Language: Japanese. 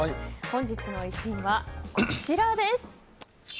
本日の逸品はこちらです。